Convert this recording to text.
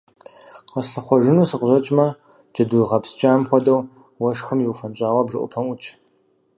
Къэслъыхъуэжыну сыкъыщӀэкӀмэ – джэду гъэпскӀам хуэдэу уэшхым иуфэнщӀауэ бжэӀупэм Ӏутщ.